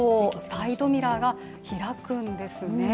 サイドミラーが開くんですね。